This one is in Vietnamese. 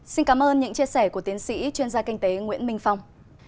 xin cảm ơn những chia sẻ của tiến sĩ chuyên gia kinh tế nguyễn minh phong